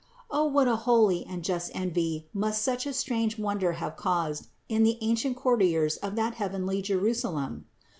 O what a holy and just envy must such a strange wonder have caused in the ancient courtiers of that heavenly Jerusalem